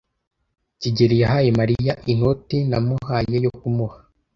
kigeli yahaye Mariya inoti namuhaye yo kumuha.